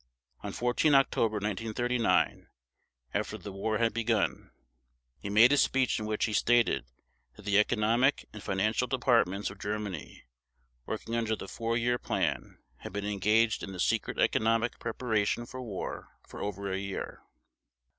On 14 October 1939, after the war had begun, he made a speech in which he stated that the economic and financial departments of Germany working under the Four Year Plan had been engaged in the secret economic preparation for war for over a year.